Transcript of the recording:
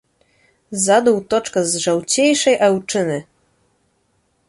Ззаду ўточка з жаўцейшай аўчыны.